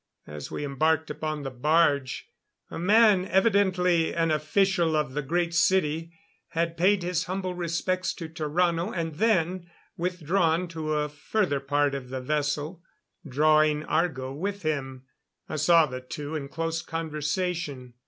As we embarked upon the barge, a man evidently an official of the Great City had paid his humble respects to Tarrano and then withdrawn to a further part of the vessel, drawing Argo with him. I saw the two in close conversation.